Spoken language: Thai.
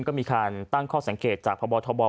ก็มีการตั้งข้อสังเกตจากพบทบ